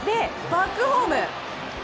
バックホーム。